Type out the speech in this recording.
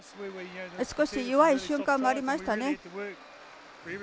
少し弱い瞬間もありましたね。